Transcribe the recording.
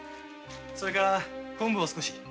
それに昆布を少し。